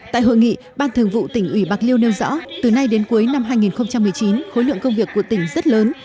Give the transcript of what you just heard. tại hội nghị ban thường vụ tỉnh ủy bạc liêu nêu rõ từ nay đến cuối năm hai nghìn một mươi chín khối lượng công việc của tỉnh rất lớn